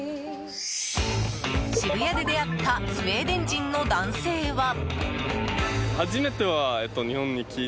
渋谷で出会ったスウェーデン人の男性は。